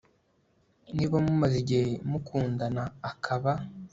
niba mumaze igihe mukundana akaba